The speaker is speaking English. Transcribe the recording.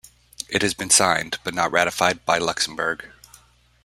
It has been signed but not ratified by Luxembourg.